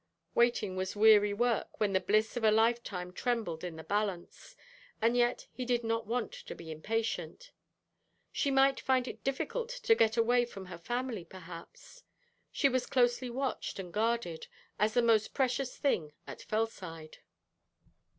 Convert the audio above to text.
Waiting was weary work when the bliss of a lifetime trembled in the balance; and yet he did not want to be impatient. She might find it difficult to get away from her family, perhaps. She was closely watched and guarded, as the most precious thing at Fellside.